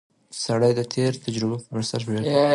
سړی د تېرو تجربو پر بنسټ پریکړه کوي